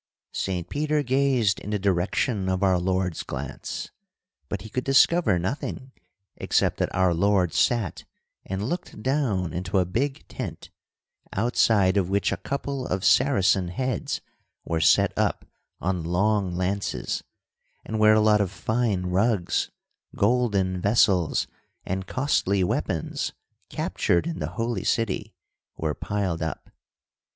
"Saint Peter gazed in the direction of our Lord's glance, but he could discover nothing except that our Lord sat and looked down into a big tent, outside of which a couple of Saracen heads were set up on long lances, and where a lot of fine rugs, golden vessels, and costly weapons, captured in the Holy City, were piled up.